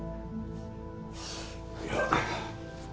いや。